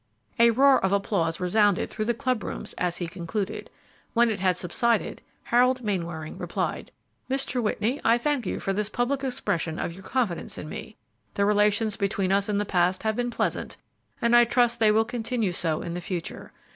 A roar of applause resounded through the club rooms as he concluded. When it had subsided, Harold Mainwaring replied, "Mr. Whitney, I thank you for this public expression of your confidence in me. The relations between us in the past have been pleasant, and I trust they will continue so in the future.